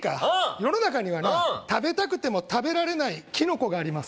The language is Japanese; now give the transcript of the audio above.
世の中にはな食べたくても食べられないキノコがあります